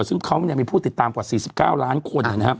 ซึ่งเขาเนี่ยมีผู้ติดตามกว่า๔๙ล้านคนนะครับ